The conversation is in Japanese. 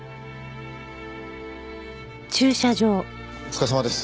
お疲れさまです。